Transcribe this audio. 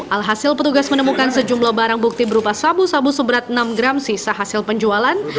alhasil petugas menemukan sejumlah barang bukti berupa sabu sabu seberat enam gram sisa hasil penjualan